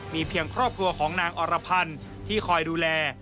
มีเพียงครอบครัวของนางอรพันธ์ที่คอยดูแล